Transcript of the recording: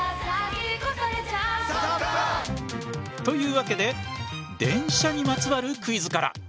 というわけで電車にまつわるクイズから。